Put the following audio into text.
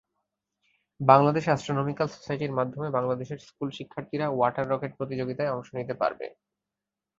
Bangladesh astronomical সোসাইটির মাধ্যমে বাংলাদেশের স্কুলশিক্ষার্থীরা ওয়াটার রকেট প্রতিযোগিতায় অংশ নিতে পারবে।